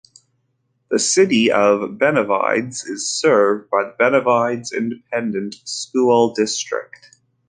The city of Benavides is served by the Benavides Independent School District.